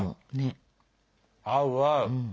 あ合う合う。